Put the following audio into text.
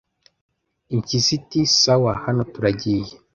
impyisi iti 'sawa, hano turagiye